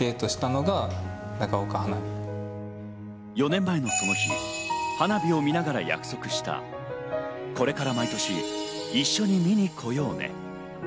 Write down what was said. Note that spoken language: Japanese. ４年前のこの日、花火を見ながら約束した、これから毎年一緒に見に来ようね。